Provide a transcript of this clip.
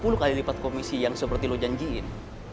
kalau lo bisa kasih sepuluh kali lipat komisi yang seperti lo janjiin